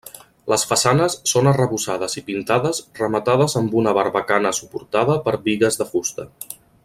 Les façanes són arrebossades i pintades rematades amb una barbacana suportada per bigues de fusta.